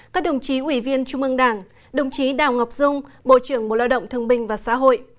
các đồng chí ủy viên trung ương đảng đồng chí đào ngọc dung bộ trưởng bộ lao động thương binh và xã hội